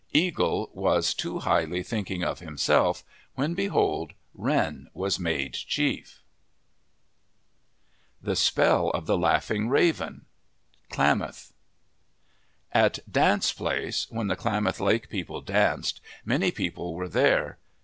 Eagle was too highly thinking of himself, when behold, Wren was made chief. MYTHS AND LEGENDS THE SPELL OF THE LAUGHING RAVEN Klamath AT " dance place ' when the Klamath Lake people danced, many people were there.